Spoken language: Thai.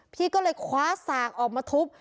พี่ก็เลยคว้าสากออกมาทุบ